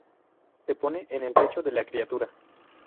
Se pone en el pecho de la criatura.